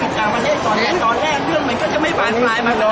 อาหรับเชี่ยวจามันไม่มีควรหยุด